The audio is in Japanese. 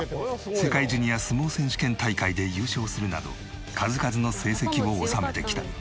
世界ジュニア相撲選手権大会で優勝するなど数々の成績を収めてきた。